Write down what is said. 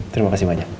terima kasih banyak